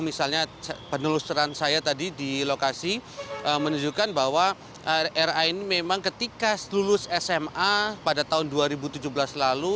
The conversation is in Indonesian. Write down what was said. misalnya penelusuran saya tadi di lokasi menunjukkan bahwa ra ini memang ketika lulus sma pada tahun dua ribu tujuh belas lalu